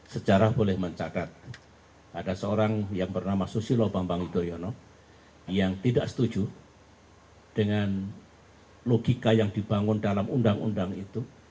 sejarah boleh mencatat ada seorang yang bernama susilo bambang yudhoyono yang tidak setuju dengan logika yang dibangun dalam undang undang itu